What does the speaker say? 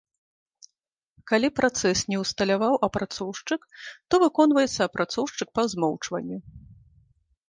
Калі працэс не ўсталяваў апрацоўшчык, то выконваецца апрацоўшчык па змоўчванню.